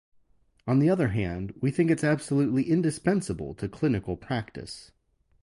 On the other hand, we think it's absolutely indispensable to clinical practice.